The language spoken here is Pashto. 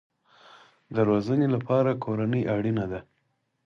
د روزنې لپاره کورنۍ اړین ده